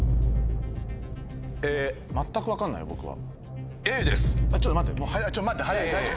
全く分かんない僕は。